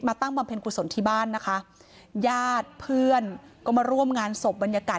ตั้งบำเพ็ญกุศลที่บ้านนะคะญาติเพื่อนก็มาร่วมงานศพบรรยากาศ